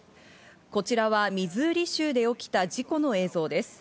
こちらはミズーリ州で起きた事故の映像です。